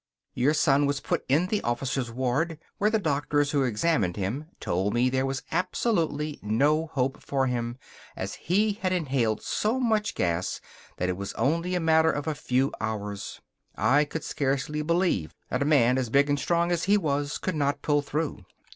Your son was put in the officers' ward, where the doctors who examined him told me there was absolutely no hope for him, as he had inhaled so much gas that it was only a matter of a few hours. I could scarcely believe that a man so big and strong as he was could not pull through.